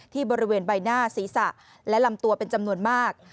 บริเวณใบหน้าศีรษะและลำตัวเป็นจำนวนมาก